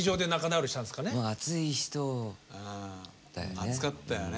熱かったよね。